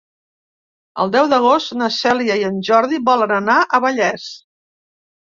El deu d'agost na Cèlia i en Jordi volen anar a Vallés.